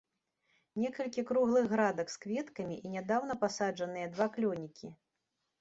Некалькі круглых градак з кветкамі, і нядаўна пасаджаныя два клёнікі.